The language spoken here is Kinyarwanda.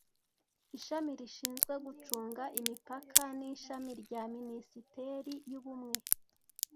Ishami rishinzwe gucunga imipaka nishami rya minisiteri yubumwe